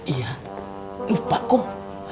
iya lupa kum